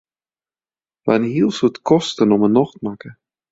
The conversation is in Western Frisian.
Wy hawwe in heel soad kosten om 'e nocht makke.